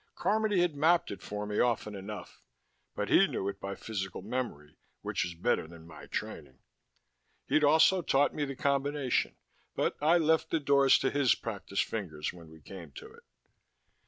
Carmody had mapped it for me often enough. But he knew it by physical memory, which was better than my training. He'd also taught me the combination, but I left the door to his practiced fingers when we came to it.